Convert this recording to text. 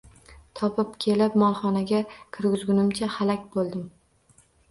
Topib kelib molxonaga kirguzganimcha halak bo`ldim